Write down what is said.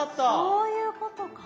そういうことか。